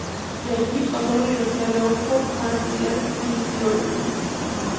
De allí pasó a la Universidad de Oxford para estudiar fisiología.